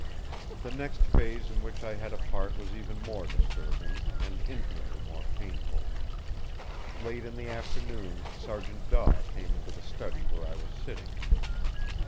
The next phase in which I had a part was even more disturbing, and infinitely more painful. Late in the afternoon Sergeant Daw came into the study where I was sitting.